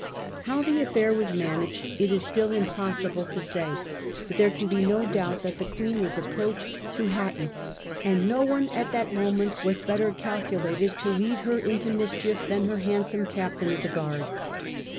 * How the affair was managed it is still impossible to 58 SIR FRANCIS DRAKE chap. say; but there can be no doubt that the Queen was approached through Hatton, and no one at that moment was better calculated to lead her into mischief than her handsome captain of the guard.